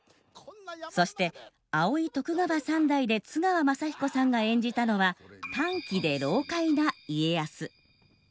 そして「葵徳川三代」で津川雅彦さんが演じたのは短気で老かいな家康。